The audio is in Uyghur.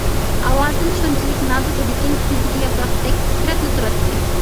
ئاۋازىم شۇنچىلىك نازۇك ئىدىكىن، كۈزدىكى ياپراقتەك تىترەپلا تۇراتتى.